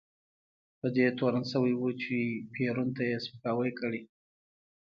په دې تورن شوی و چې پېرون ته یې سپکاوی کړی.